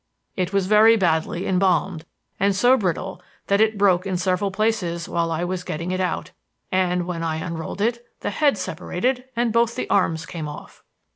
It was very badly embalmed, and so brittle that it broke in several places while I was getting it out; and when I unrolled it the head separated and both the arms came off.